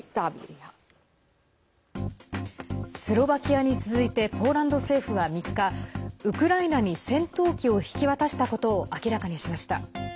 スロバキアに続いてポーランド政府は３日ウクライナに戦闘機を引き渡したことを明らかにしました。